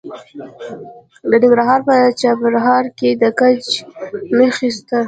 د ننګرهار په چپرهار کې د ګچ نښې شته.